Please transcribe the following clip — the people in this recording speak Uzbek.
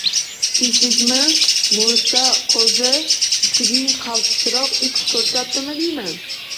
– Tinchlikmi, Mo‘saqo‘zi? Mushuging qaltisroq ish ko‘rsatdimi deyman?